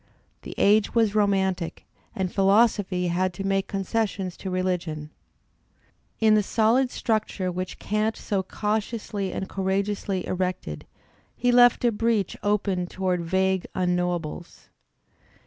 The age was romantic, and philosophy had to make concessions to religion. In the solid structure which Kant so cautiously and courageously erected, he left a breach opened toward vague unknowables.